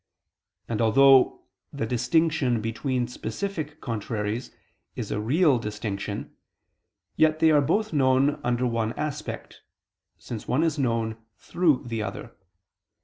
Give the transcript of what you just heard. And though the distinction between specific contraries is a real distinction yet they are both known under one aspect, since one is known through the other.